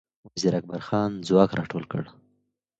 وزیر اکبرخان ځواک را ټول کړ